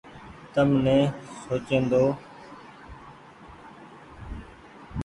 تم ني سوچيئن ۮئو۔